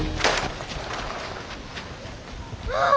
あ。